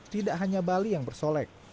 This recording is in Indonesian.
tidak hanya bali yang bersolek